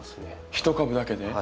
１株だけで？